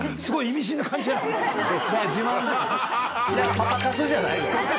パパ活じゃないよ。